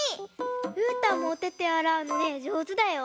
うーたんもおててあらうのねじょうずだよ！